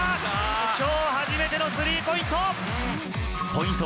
きょう初めてのスリーポイント！